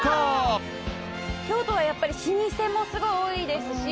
京都はやっぱり老舗もすごい多いですし。